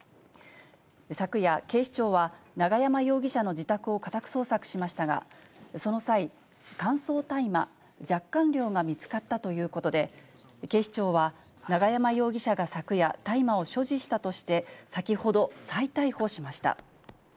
昨夜、警視庁は永山容疑者の自宅を家宅捜索しましたが、その際、乾燥大麻若干量が見つかったということで、警視庁は永山容疑者が昨夜、大麻を所持したとして、先ほど再逮捕しました。